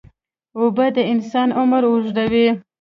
اوبه د انسان عمر اوږدوي.